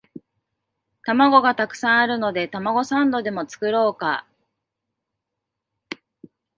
玉子がたくさんあるのでたまごサンドでも作ろうか